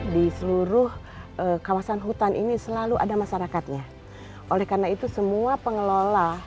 di seluruh kawasan hutan ini selalu ada masyarakatnya oleh karena itu semua pengelola